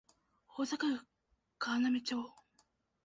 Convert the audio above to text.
大阪府河南町